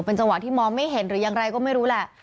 จังหวะที่มองไม่เห็นหรือยังไรก็ไม่รู้แหละ